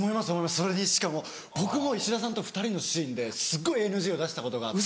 それにしかも僕も石田さんと２人のシーンですっごいＮＧを出したことがあって。